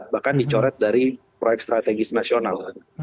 bahkan dicoret dari proyek strategis nasional